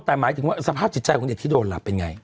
แต่หมายถึงว่าสภาพจิตใจของเด็กที่โดนหลับเป็นไง